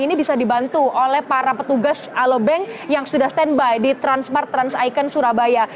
ini bisa dibantu oleh para petugas alobank yang sudah standby di transmart trans icon surabaya